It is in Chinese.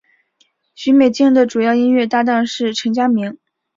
许美静的主要音乐搭档是陈佳明。